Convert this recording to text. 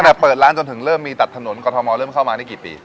เปิดร้านจนถึงเริ่มมีตัดถนนกรทมเริ่มเข้ามาได้กี่ปี